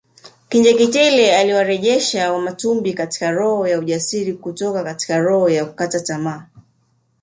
Kinjekitile aliyewarejesha Wamatumbi katika roho ya ujasiri kutoka katika roho ya kukata tamaa